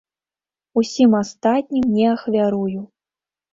Усім астатнім не ахвярую.